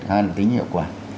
hai cái tính hiệu quả